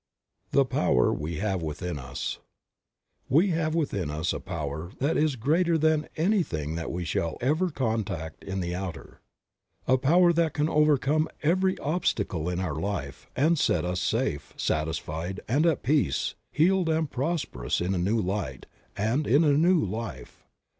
THE POWER WE HAVE WITHIN US. "WE have within us a power that is greater than any thing that we shall ever contact in the outer, a power that can overcome every obstacle in our life and set us safe, satisfied and at peace, healed and prosperous, in a new light, and in a new life.